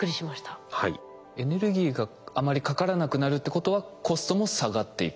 エネルギーがあまりかからなくなるってことはコストも下がっていく。